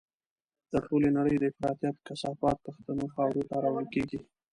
د ټولې نړۍ د افراطيت کثافات پښتنو خاورو ته راوړل کېږي.